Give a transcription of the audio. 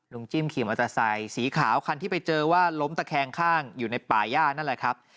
จิ้มขี่มอเตอร์ไซค์สีขาวคันที่ไปเจอว่าล้มตะแคงข้างอยู่ในป่าย่านั่นแหละครับ